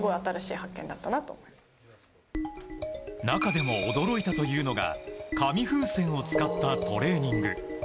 中でも驚いたというのが紙風船を使ったトレーニング。